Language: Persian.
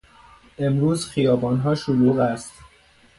امروز خیابانها شلوغ است.